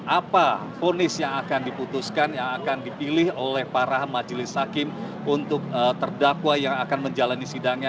apa ponis yang akan diputuskan yang akan dipilih oleh para majelis hakim untuk terdakwa yang akan menjalani sidangnya